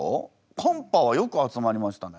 カンパはよく集まりましたね。